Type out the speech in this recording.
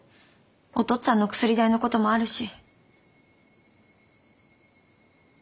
お父っつぁんの薬代の事もあるし。